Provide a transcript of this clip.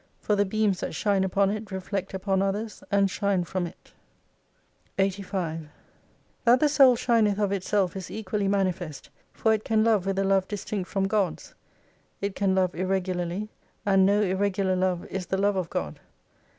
For the beams that shine upon it reflect upon others and shine from it. 303 85 That the Soul shineth of itself is equally manifest, for it can love with a love distinct from God's, It can love irregularly ; and no irregular love is the love of God.